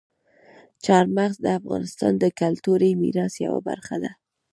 چار مغز د افغانستان د کلتوري میراث یوه برخه ده.